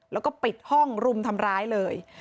แล้วก็ปิดห้องรุมทำร้ายเลย